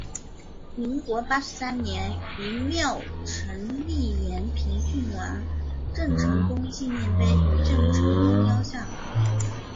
民国八十三年于庙埕立延平郡王郑成功纪念碑与郑成功雕像。